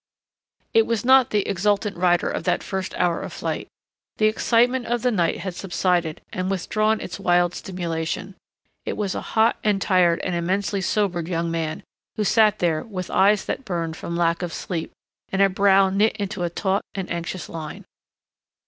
It was not the exultant Ryder of that first hour of flight. The excitement of the night had subsided and withdrawn its wild stimulation. It was a hot and tired and immensely sobered young man who sat there with eyes that burned from lack of sleep and a brow knit into a taut and anxious line.